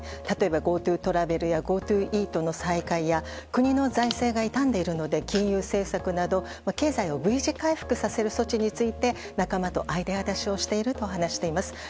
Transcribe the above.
例えばＧｏＴｏトラベルやＧｏＴｏイートの再開や国の財政が痛んでいるので金融政策など経済をＶ字回復させる措置について仲間とアイデア出しをしていると話しています。